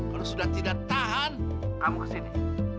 kalau sudah tidak tahan kamu kesini